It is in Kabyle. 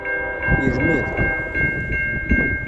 Yelmed.